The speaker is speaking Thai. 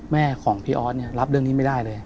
แม่ของพี่อ๊อตรับเรื่องนี้ไม่ได้เลย